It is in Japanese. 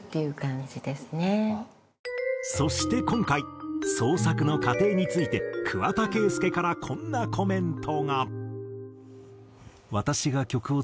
そして今回創作の過程について桑田佳祐からこんなコメントが。